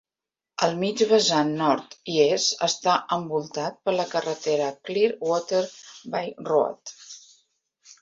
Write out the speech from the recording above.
El mig vessant nord i est està envoltat per la carretera Clear Water Bay Road.